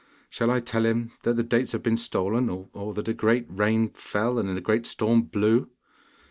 Shall I tell him that the dates have been stolen, or that a great rain fell and a great storm blew?